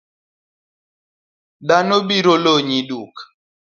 Dhano biro lonyi duk .